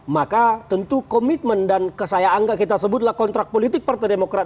maka tentu komitmen dan kesayangan kita sebutlah kontrak politik partai demokrat